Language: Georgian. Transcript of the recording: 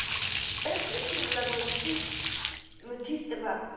ერთ-ერთი ულამაზესი მთის ტბა.